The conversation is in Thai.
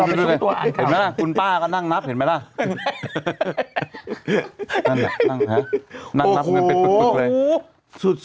เห็นไหมล่ะคุณป้าก็นั่งนับเห็นไหมล่ะนั่งนับนั่งนับเหมือนเป็นปึกปึกเลยโอ้โฮ